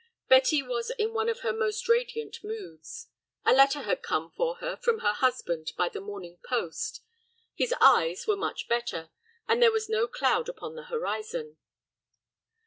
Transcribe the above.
Betty was in one of her most radiant moods. A letter had come for her from her husband by the morning post; his eyes were much better, and there was no cloud upon the horizon.